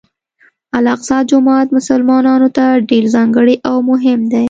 الاقصی جومات مسلمانانو ته ډېر ځانګړی او مهم دی.